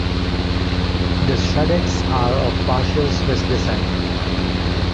The Shadeggs are of partial Swiss descent.